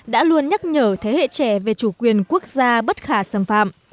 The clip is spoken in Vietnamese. đã luôn nhắc nhở thế hệ trẻ về chủ quyền quốc gia bất khả xâm phạm